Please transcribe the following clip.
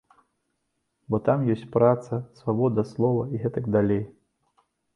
Бо там ёсць праца, свабода слова і гэтак далей.